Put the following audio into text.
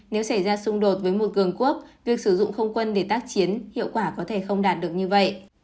nếu xảy ra xung đột với một cường quốc việc sử dụng không quân để tác chiến hiệu quả có thể không đạt được như vậy